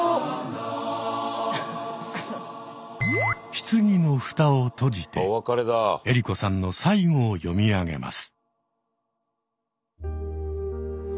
棺のフタを閉じて江里子さんの最期を読み上げます。